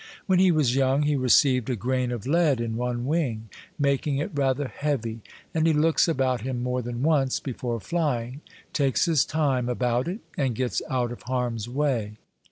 When he was young he received a grain of lead in one wing, 292 Monday Tales, making it rather heavy, and he looks about him more than once before flying, takes his time about it, and gets out of harm's way.